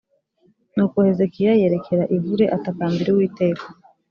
nuko hezekiya yerekera ivure atakambira uwiteka